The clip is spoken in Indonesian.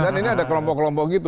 dan ini ada kelompok kelompok gitu